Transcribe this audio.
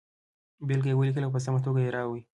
بېلګه یې ولیکئ او په سمه توګه یې ووایئ.